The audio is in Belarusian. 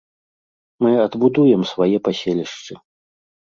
Мы адбудуем свае паселішчы.